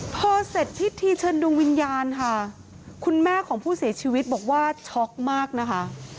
พอเสร็จพิธีเชิญดวงวิญญาณค่ะคุณแม่ของผู้เสียชีวิตบอกว่าช็อกมากนะคะ